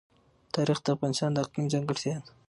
تاریخ د افغانستان د اقلیم ځانګړتیا ده.